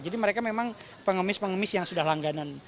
jadi mereka memang pengemis pengemis yang sudah langganan